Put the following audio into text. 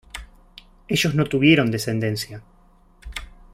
Ellos no tuvieron descendencia.